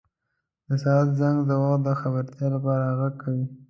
• د ساعت زنګ د وخت د خبرتیا لپاره ږغ کوي.